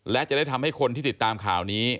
และจะได้ทำให้คนที่ติดตามข่าวนี้